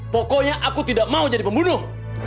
pokoknya aku tidak mau jadi pembunuh